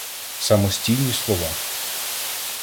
Самостійні слова